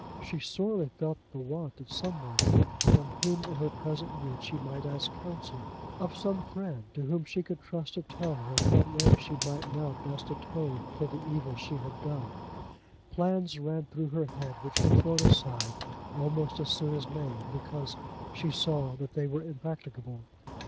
She sorely felt the want of some one from whom in her present need she might ask counsel; of some friend to whom she could trust to tell her in what way she might now best atone for the evil she had done. Plans ran through her head which were thrown aside almost as soon as made, because she saw that they were impracticable.